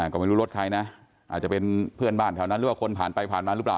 ก็ไม่รู้รถใครนะอาจจะเป็นเพื่อนบ้านแถวนั้นหรือว่าคนผ่านไปผ่านมาหรือเปล่า